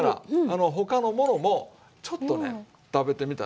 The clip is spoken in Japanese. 他のものもちょっとね食べてみたら？